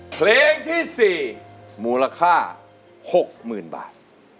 เพลงที่๔มูลค่า๖๐๐๐บาท